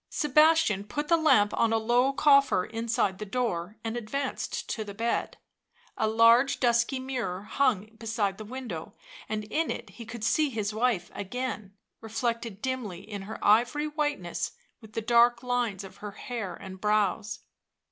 Sebastian put the lamp on a low coffer inside the door and advanced to the bed. A large dusky mirror hung beside the window, and in it he could see his wife again, reflected dimly in her ivory whiteness with the dark lines of her hair and brows.